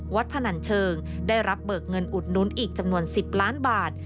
พนันเชิงได้รับเบิกเงินอุดนุนอีกจำนวน๑๐ล้านบาท